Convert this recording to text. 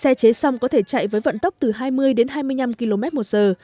xe chế xong có thể chạy với vận tốc từ hai mươi đến hai mươi năm km một giờ